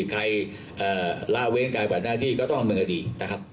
ใครล่าเว้นการบัดหน้าที่ก็ต้องดำเนินคดีนะครับ